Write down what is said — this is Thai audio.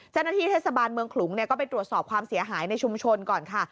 เจ้าหน้าที่เทศบาลเมืองขลุงก็ไปตรวจสอบความเสียหายในชุมชนก่อนค่ะ